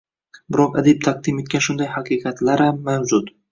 Biroq adib taqdim etgan shunday haqiqatlaram mavjud.